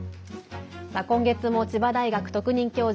今月も千葉大学特任教授